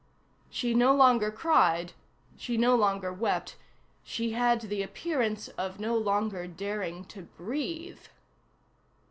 She no longer cried; she no longer wept; she had the appearance of no longer daring to breathe.